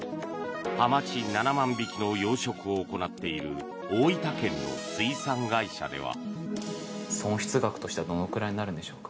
ハマチ７万匹の養殖を行っている大分県の水産会社では。